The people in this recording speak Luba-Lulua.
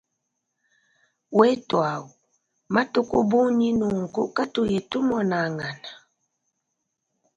Wetuau, matuku bunyi nunku katuyi tumonangana.